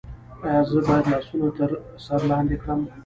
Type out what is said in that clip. ایا زه باید لاسونه تر سر لاندې کړم؟